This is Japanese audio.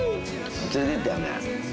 連れてったよね。